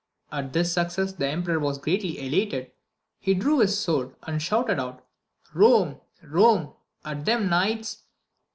At this success the emperor was greatly elated ; he drew his sword, and shouted out, Rome ! Rome ! at them knights!